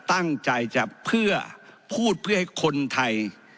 ตั้งใจจะเพื่อพูดเพื่อให้คนไทย